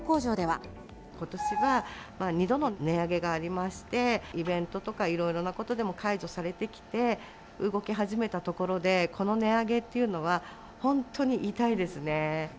ことしは２度の値上げがありまして、イベントとかいろいろなことでも解除されてきて、動き始めたところで、この値上げというのは、本当に痛いですね。